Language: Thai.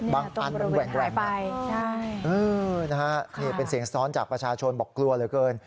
บางอันมันแหวนมากใช่นะฮะเป็นเสียงซ้อนจากประชาชนบอกกลัวเลยเกิน